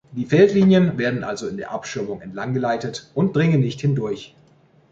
Die Feldlinien werden also in der Abschirmung entlang geleitet und dringen nicht hindurch.